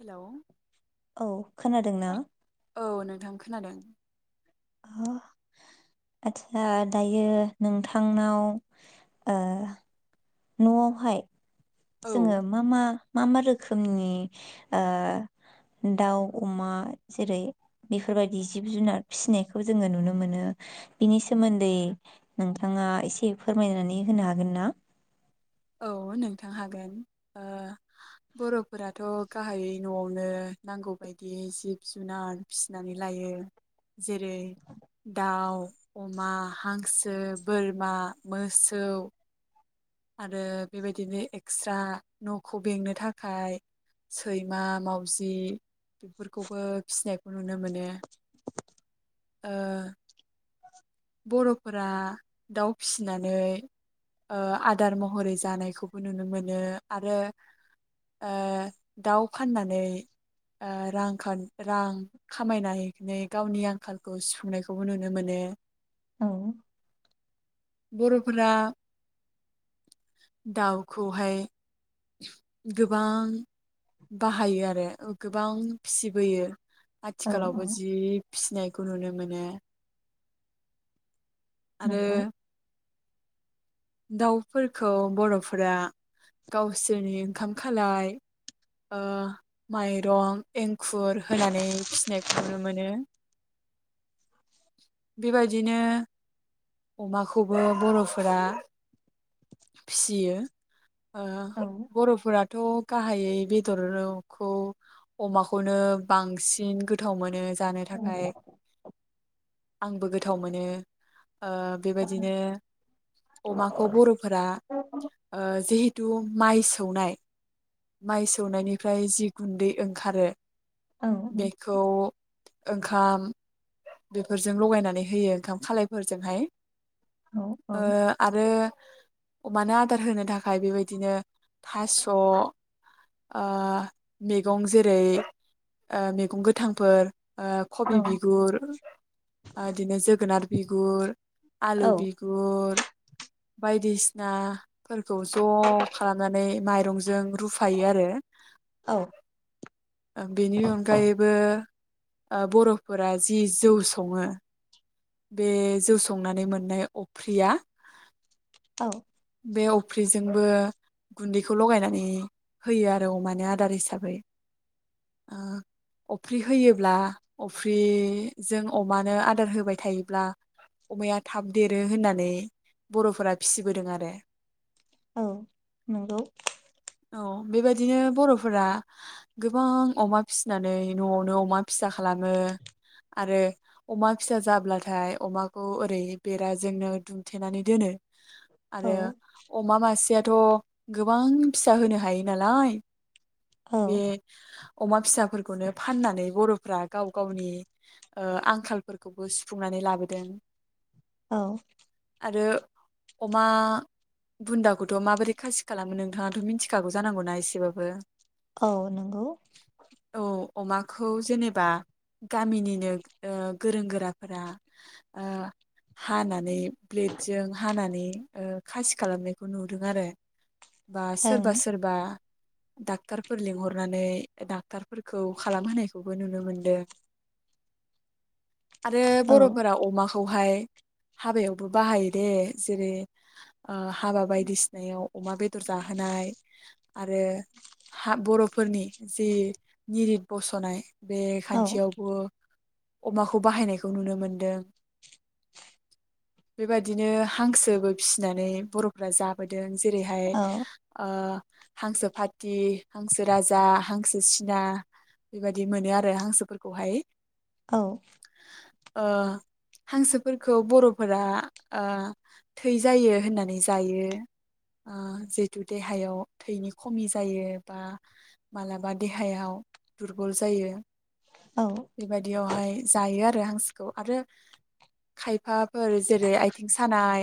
Hello औ खोनादोंना औ नोंथां खोनादों आतसा दायो नोंथांनाव ओ नआवहाय औ जोङो मा मा मा मा रोखोमनि ओ दाउ अमा जेरै बेफोरबायदि जिब जुनार फिसिनायखौ जोङो नुनो मोनो बिनि सोमोन्दै नोंथाङा एसे फोरमायनानै होनो हागोन ना? औ नोंथां हागोन ओ बरफोराथ गाहायै नआवनो नांगौबायदि जिब जुनार फिसिनानै लायो जेरै दाउ अमा हांसो बोरमा मोसौ आरो बेबायदिनो एक्सट्रा नखौ बेंनो थाखाय सैमा मावजि बेफोरखौबो फिसिनायखौ नुनो मोनो। ओ बरफोरा दाउ फिसिनानै ओ आदार महरै जानायखौबो नुनो मोनो आरो ओ दाउ फाननानै ओ रांखान रां खामायनानै गावनि आंखालखौ सुफुंनायखौबो नुनो मोनो। औ बरफोरा दाउखौहाय गोबां बाहायो आरो गोबां फिसिबोयो औ आथिखालावबो जि फिसिनाय खौ नुनो मोनो आरो नंगौ दाउफोरखौ बरफोरा गावसोरनि ओंखाम खालाय ओ माइरं एंखुर होनानै फिसिनायखौ नुनो मोनो बेबायदिनो अमाखौबो बरफोरा फिसियो ओ औ बरफोराथ गाहायै बेदरखौ अमाखौनो बांसिन गोथाव मोनो जानो थाखाय आंबो गोथाव मोनो ओ बेबायदिनो अमाखौ बर'फोरा औ ओ जि थु माइ सौनाय माइ सौनायनिफ्राय जि गुन्दै ओंखारो औ बेखौ ओंखाम बेफोरजों लगायनानै होयो ओंखाम खालायफोरजोंहाय औ ओ औ आरो अमानो आदार होनो थाखाय बेबायदिनो थास' ओ मैगं जेरै ओ मैगं गोथांफोर ओ कबि बिगुर ओ बिदिनो जोगोनार बिगुर, आलु बिगुर बायदिसिनाफोरखौ ज' खालामनानै माइरंजों रुफायो आरो औ। ओं बेनि अनगायैबो ओ बर'फोरा जि जौ सङो बे जौ संनानै मोननाय अफ्रिया औ। बे अफ्रिजोंबो गुन्दैखौ लगायनानै होयो आरो अमानि आदार हिसाबै ओ अफ्रि होयोब्ला अफ्रि जों अमानो आदार होबाय थायोब्ला अमाया थाब देरो होननानै बर'फोरा फिसिबोदों आरो औ नंगौ। औ बेबायदिनो बर'फोरा गोबां अमा फिसिनानै न'आवनो अमा फिसा खालामो आरो अमा फिसा जाब्लाथाय अमाखौ ओरै बेराजोंनो दुमथेनानै दोनो औ आरो अमा मासेया थ' गोबां फिसा होनो हायो नालाय औ बे अमा फिसाफोरखौनो फाननानै बर'फ्रा गाव गावनि ओ आंखालफोरखौबो सुफुंनानै लाबोदों औ। आरो अमा बुन्दाखौथ' माबोरै खासि खालामो नोंथाङाथ' मिथिखागौ जानांगौना एसेबाबो औ नंगौ। औ अमाखौ जेनोबा गामिनिनो ओ गोरों गोराफोरा ओ हानानै ब्लेडजों हानानै ओ खासि खालामनायखौ नुदों आरो बा सोरबा ओं सोरबा डाक्टारफोर लिंहरनानै डाक्टारफोरखौ खालामहोनायखौबो नुनो मोनदों आरो औ बर'फोरा अमा खौहाय हाबायावबो बाहायो दे जेरै ओ हाबा बायदिसिनायाव अमा बेदर जाहोनाय आरो हा बर'फोरनि जे निरिद बसनाय बे औ खान्थियाव अमाखौ बाहायनायखौ नुनो मोनदों। बेबायदिनो हांसोबो फिसिनानै बर'फोरा जाबोदों जेरैहाय औ ओ हांसो फाटि, हांसो राजा, हांसो सिना बेबायदि मोनो आरो हांसोफोर खौहाय औ। ओ हांसोफोरखौ बर'फोरा थै जायो होननानै जायो ओ जिहेतु देहायाव थैनि खमि जायो बा मालाबा देहायाव दुरबल जायो। औ बेबायदियावहाय जायो आरो बे हांसोखौ आरो खायफा फोर जेरै आयथिं सानाय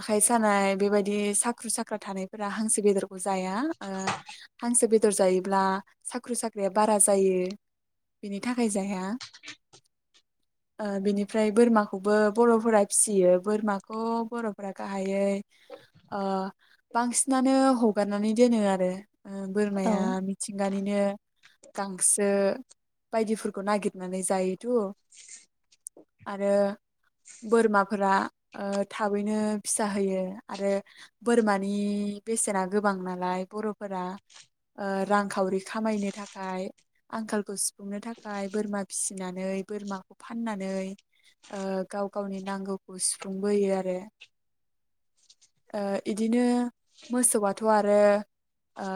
आखाइ सानाय बेबायदि साख्रु साख्रा थानायफोरा हांसो बेदरखौ जाया। ओ हांसो बे बेदर जायोब्ला साख्रु साख्राया बारा जायो। बिनि थाखाय जाया ओ बिनिफ्राय बोरमाखौबो बर'फोरा फिसियो बोरमाखौ बर'फोरा गाहायै ओ बांसिनानो हगारनानै दोनो आरो। ओ औ बोरमाया मिथिंगानिनो गांसो बायदिफोरखौ नागिरनानै जायोथ आरो बोरमाफोरा ओ थाबैनो फिसा होयो आरो बोरमानि बेसेना गोबां नालाय बर'फोरा ओ रांखावरि खामायनो थाखाय आंखालखौ सु फुंनो थाखाय बोरमा फिसिनानै बोरमाखौ फाननानै ओ गाव गावनि नांगौखौ सुफुंबोयो आरो ओ इदिनो मोसौआथ आरो ओ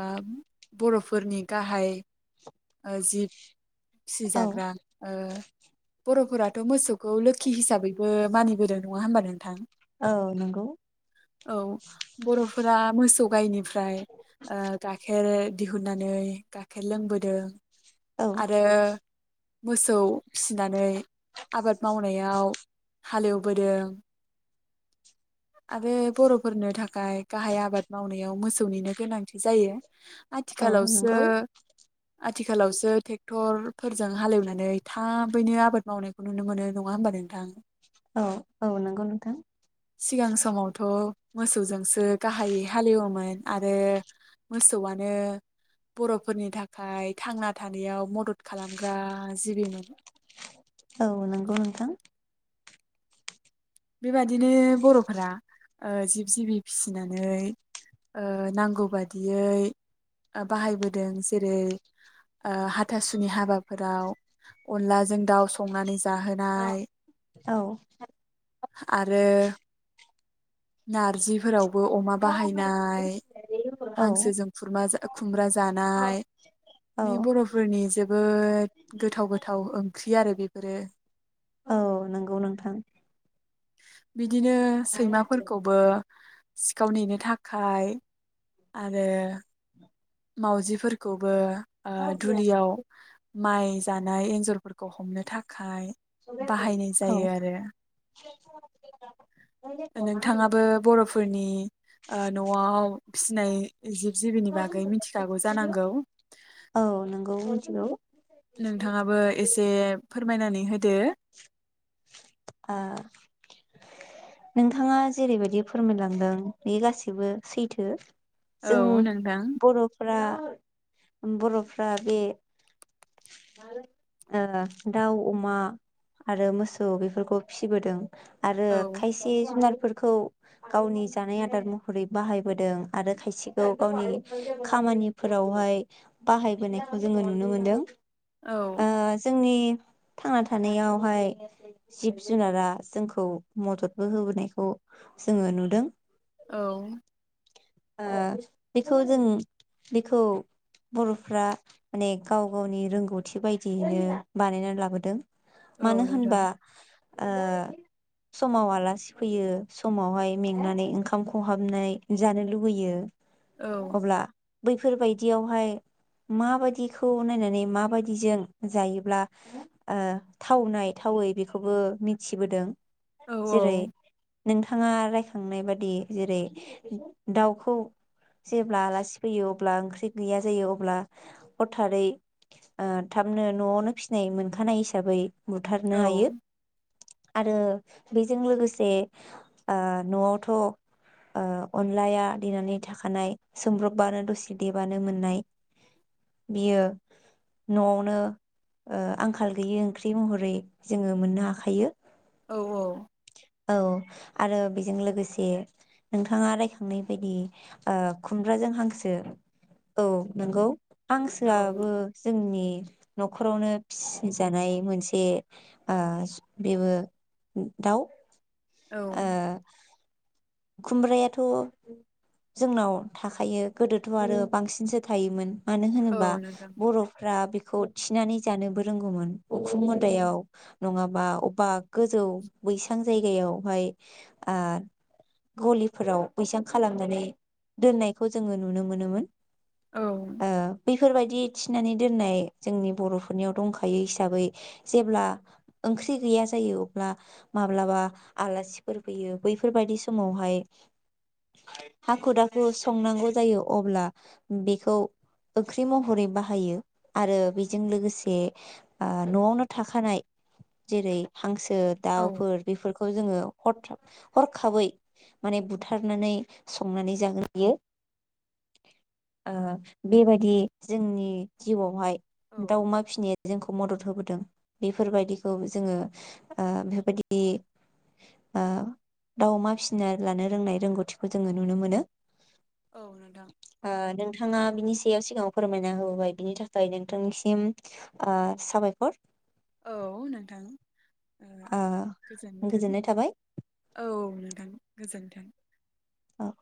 बर'फोरनि गाहाय ओ जिब। औ फिसिजाग्रा ओ बर'फोराथ मोसौखौ लोखि हिसाबैबो मानिबोदो नङा होमबा नोंथां। ओउ नोंगौ। औ बर'फोरा मोसौ गायनिफ्राय ओ गाइखेर दिहुननानै गाइखेर लोंबोदों। औ आरो मोसौ फिसिनानै आबाद मावनायाव हालेवबोदों आरो बर'फोरनो थाखाय गाहाय आबाद मावनायाव मोसौनिनो गोनांथि जायो औ आथिखालावसो नंगौ आथिखालावसोे थेक तरफोरजों हालेवनानै थाबैनो आबाद मावनायखौ नुनो मोनो नङा होमबा नोंथां। गौ नोंथां। सिगां समावथ मोसौजोंसो गाहायै हालेवोमोन आरो मोसौआनो बर'फोरनि थाखाय थांना थानायाव मदद खालामग्रा जिबिमोन। औ नंगौ नोंथां बेबादिनो बर'फोरा ओ जिब जिबि फिसिनानै ओ नांगौ बादियै बाहायबोदों जेरै ओ हाथासुनि हाबाफोराव अनलाजों दाउ संनानै जाहोनाय औ आरो नारजिफोरावबो अमा बाहायनाय। औ हांसोजों खुरमा जा खुमब्रा जानाय औ बेै बर'फोरनि जोबोद गोथाव गोथाव ओंख्रि आरो बेफोरो। औ नंगौ नोंथां बिदिनो सैमाफोरखौबो सिखाव नेनो थाखाय आरो माउजिफोरखौबो ओ दुलियाव माइ जानाय एन्जरफोरखौ हमनो थाखाय। बाहायनाय औ जायो आरो। नोंथाङाबो बर'फोर फोरनि ओ नआव फिसिनाय जिब जिबिनि बागै मिथि खागौ जानांगौ। औ मोनथिगौ। नोंथाङाबो एसे फोरमायनानै होदो। आ नोंथाङा जेरैबायदि फोरमायलांदों बे गासिबो सैथो। जों औ नोंथां बर'फोरा बर'फ्रा बे ओ दाउ अमा आरो मोसौ बेफोरखौ फिसिबोदों। आरो औ से जुनारफोरखौ गावनि जानाय आदार महरै बाहायबोदों आरो खायसेखौ गावनि खामानिफोरावहाय बाहायबोनायखौ जोङो नुनो मोनदों। ओ औ जोंनि थांना थानायावहाय जिब जुनारआ जोंखौ मददबो होबोनायखौ जोङो नुदों औ ओ बेखौ जों बेखौ बर'फ्रा माने गाव गावनि रोंगौथि बायदियैनो बानायनानै लाबोदों औ मानो नोंथां होनबा ओ समाव आलासि फैयो समावहाय मेंनानै ओंखाम खहाबनाय जानो लुुबैयो औ अब्ला बैफोरबायदियावहाय माबायदिखौ नायनानै माबायदिजों जायोब्ला ओ थावनाय थावै बेखौबो मिथिबोदों औ औ जेरै नोंथाङा रायखांनाय बादि जेरै दाउखौ जेब्ला आलासि फैयो अब्ला ओंख्रि गैया जायो अब्ला हथारै ओ थाबनो न'आवनो फिसिनाय मोनखानाय हिसाबै बुथारनो औ हायो आरो बेजों लोगोसे ओ न'आवथ ओ अन लाया देनानै थाखानाय सोमब्रबबानो दसे देबानो मोननाय बियो नआवनो ओ आंखाल गैयि ओंख्रि महरै जोङो मोननो हाखायो औ औ औ आरो बेजों लोगोसे नोंथाङा राय खांनाय बायदि ओ खुमब्राजों हांसो औ नंगौ औ हांसोआबो जोंनि न'खरावनो फिसिजानाय मोनसे ओ बेबो दाउ औ ओ खुमब्रायाथ जोंनाव थाखायो गोदोथ आरो बांसिनसो थायोमोन मानो होनोबा औ नोंथां बरफ्रा बे खौ थिनानै जानोबो रोंगौमोन उखुम मुदायाव नङाबा अबबा गोजौ बैसां जायगायावहाय ओ ग'लिफोराव बैसां खालामनानै दोननायखौ जोंङो नुनो मोनोमोन औ ओ बैफोरबायदि थिनानै दोननाय जोंनि बर'फोरनियाव दंखायो हिसाबै जेब्ला ओंख्रि गैया जायो अब्ला माब्लाबा आलासिफोर फैयो बैफोरबायदि समावहाय हाखु दाखु संनांगौ जायो अब्ला बेखौ ओख्रि महरै बाहायो आरो बेजों लोगोसे ओ न'आवनो थाखानाय जेरै हांसो ओ औ दाउफोर बेफोरखौ जोङो हरथाब हरखाबै माने बुथारनानै संनानै जाहोयो ओबेबायदि जोंनि जिउआवहाय औ दाउ अमा फिसिनाया जोंखौ मदद होबोदों बेफोरबादिखौ जोंङो ओ ओ दाव अमा फिस फिना लानो रोंनाय रोंगौथिखौ जोङो नुनो मोनो औ नोंथां ओ नोंथाङा बिनि सायाव सिगाङाव फोरमायना होबोबाय बिनि थाखाय नोंथांनिसिम ओ साबायखर औ नोंथां ओ गोजोनथों गोजोननाय थाबाय औ नोंथां गोजोन ओं औ